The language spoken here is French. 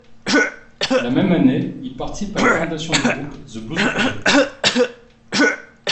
La même année, il participe à la fondation du groupe The Blues Project.